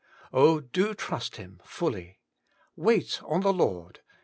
Oh, do trust Him fully. *Wait on the Lord!